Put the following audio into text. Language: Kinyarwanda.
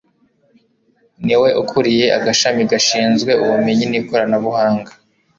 niwe ukuriye agashami gashinzwe ubumenyi n ikoranabuhanga